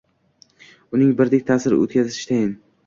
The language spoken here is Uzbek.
Uning birdek ta’sir o‘tkazishi tayin.